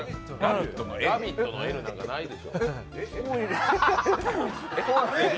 「ラヴィット！」のＬなんか、ないでしょう。